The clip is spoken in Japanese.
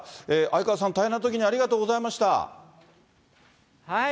相川さん、大変なときにありがとうございました。